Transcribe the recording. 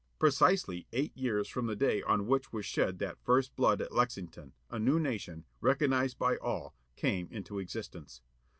Precisely eight years from the day on which was shed that first blood at Lexington, a new nation, recognized by all, came into existence.